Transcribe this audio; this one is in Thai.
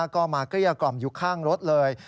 ก็มาเกลี้ยกล่อมอยู่ข้างรถเลย